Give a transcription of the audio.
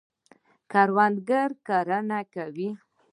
کروندګر کرنه کوي.